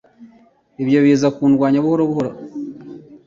ibyo biza kundwanya buhoro buhoro